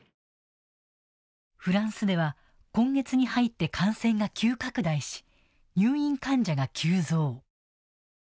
フランスでは今月に入って感染が急拡大し入院患者が急増。